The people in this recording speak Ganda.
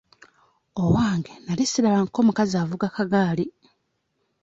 Owange nali sirabangako mukazi avuga kagaali.